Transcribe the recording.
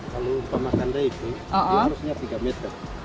kalau umpamakannya itu dia harusnya tiga meter